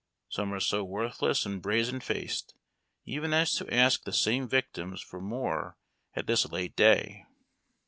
Some are so worthless and brazen faced even as to ask the same victims for more at this late day.